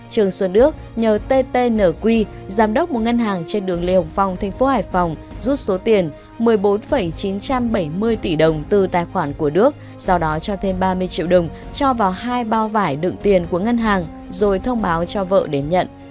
trương xuân đức nhờ tt nq một ngân hàng trên đường lê hồng phong thành phố hải phòng rút số tiền một mươi bốn chín trăm bảy mươi tỷ đồng từ tài khoản của đức sau đó cho thêm ba mươi triệu đồng cho vào hai bao vải đựng tiền của ngân hàng rồi thông báo cho vợ đến nhận